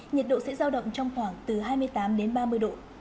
nhiệt độ sẽ giao động trong khoảng từ hai mươi tám đến ba mươi độ